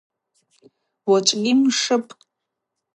Уачӏвгьи мшыпӏ.